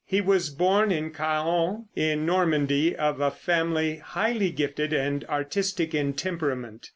He was born in Caen, in Normandy, of a family highly gifted and artistic in temperament.